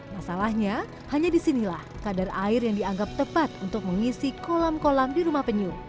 masalahnya hanya disinilah kadar air yang dianggap tepat untuk mengisi kolam kolam di rumah penyu